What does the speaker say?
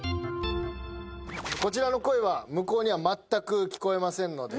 こちらの声は向こうには全く聞こえませんので。